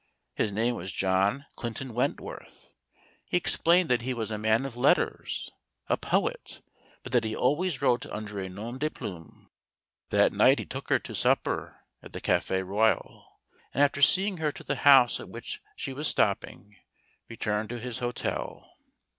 His name was John Clinton Wentworth. He explained that he was a man of letters—a poet, but that he always wrote under a nom de plume. That night he took her to supper at the Cafe Royal, and after seeing her to the house at which she was stopping, returned to his hotel.